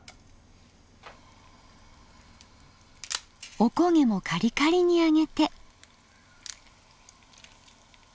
おこげもカリカリに揚げて。